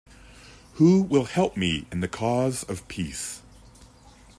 Who will help me in the cause of peace?